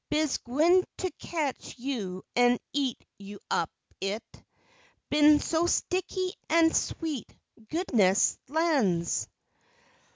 Bees gwine to ketch you an' eat you up yit, Bein' so sticky an' sweet goodness lan's!